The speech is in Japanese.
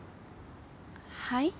はい？